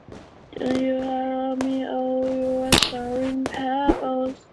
协助二度就业母亲